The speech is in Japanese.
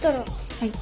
はい。